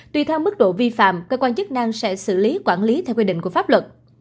tùy theo mức độ vi phạm cơ quan chức năng sẽ xử lý quản lý theo quy định của pháp luật